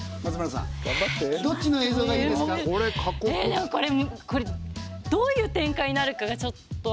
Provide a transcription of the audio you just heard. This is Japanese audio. でもこれどういう展開になるかがちょっと。